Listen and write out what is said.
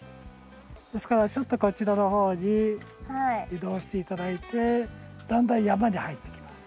ですからちょっとこちらの方に移動して頂いてだんだん山に入っていきます。